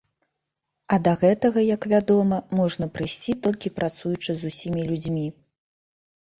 А да гэтага, як вядома, можна прыйсці, толькі працуючы з усімі людзьмі.